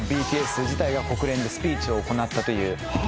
ＢＴＳ自体が国連でスピーチを行ったという。